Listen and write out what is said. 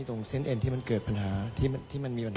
ตรงเซ็นต์เอ็นที่มันเกิดปัญหาที่มันมีวัน